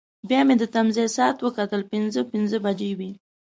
بیا مې د تمځای ساعت وکتل، پنځه پنځه بجې وې.